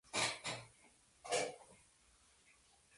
Una quinta persona representa a la acusación.